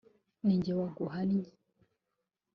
ninjye waguhannye